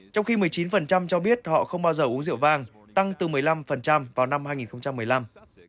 trong khi một mươi chín cho biết họ không bao giờ uống rượu vang tăng từ một mươi năm vào năm hai nghìn một mươi năm